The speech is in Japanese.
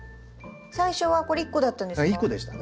最初はこれ１個だったんですか？